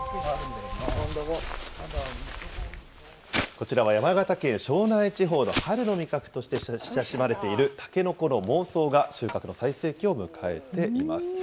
こちらは山形県庄内地方の春の味覚として親しまれているたけのこの孟宗が収穫の最盛期を迎えています。